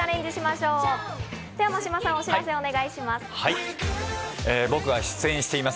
では眞島さん、お知らせお願いします。